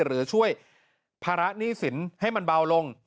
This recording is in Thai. หรือช่วยภาระหนี้สินให้มันเบาลง